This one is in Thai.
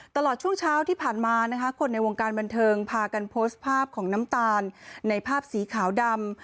ตลอดช่วงเช้าที่ผ่านมานะคะคนในวงการบันเทิงพากันโพสต์ภาพของน้ำตาลในภาพสีขาวดำ